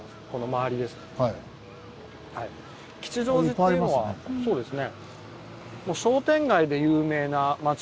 ああそうですね。